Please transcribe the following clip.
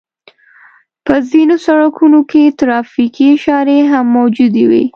په ځينو سړکونو کې ترافيکي اشارې هم موجودې وي.